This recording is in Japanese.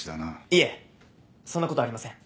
いえそんなことありません。